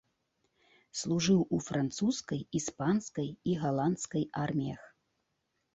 Служыў у французскай, іспанскай і галандскай арміях.